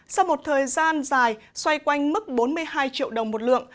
sau một thời gian dài xoay quanh mức bốn mươi hai triệu đồng một lượng